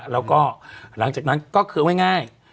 แล้วก็หลังจากนั้นก็ไม่ง่าย